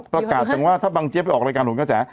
ประกาศจังว่าถ้าบังเจี๊ยไปออกรายการหนกระแส